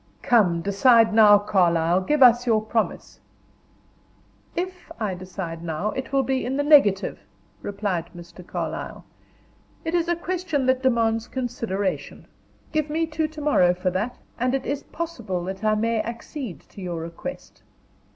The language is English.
"Come, decide now, Carlyle. Give us your promise." "If I decide now, it will be in the negative," replied Mr. Carlyle. "It is a question that demands consideration. Give me till to morrow for that, and it is possible that I may accede to your request."